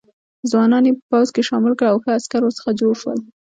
ځوانان یې په پوځ کې شامل کړل او ښه عسکر ورڅخه جوړ شول.